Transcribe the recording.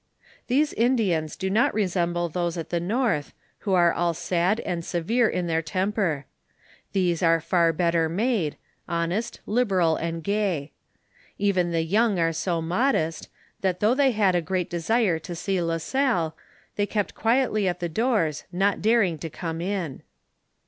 These Indians do not resemble those at the north, who are all sad and severe in their temper ; these are far better made, honest, liberal, and gay. Even the young are so modest, that though they had a great desire to see La Salle, they kept quietly at the doors not daring to come in.